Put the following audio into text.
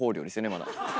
まだ。